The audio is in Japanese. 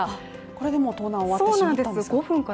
これでもう盗難は終わってしまったんですか。